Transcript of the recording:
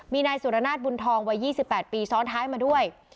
มีนายสุรนาศบุญทองวัย๒๘ปีซ้อนท้ายมาด้วย